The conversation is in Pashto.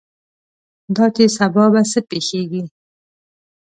دا چې سبا به څه پېښېږي.